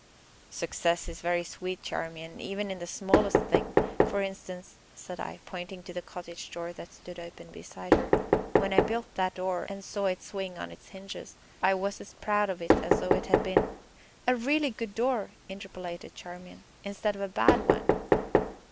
"Success is very sweet, Charmian, even in the smallest thing; for instance," said I, pointing to the cottage door that stood open beside her, "when I built that door, and saw it swing on its hinges, I was as proud of it as though it had been " "A really good door," interpolated Charmian, "instead of a bad one!"